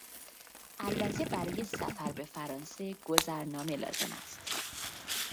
البته برای سفر به فرانسه گذرنامه لازم است.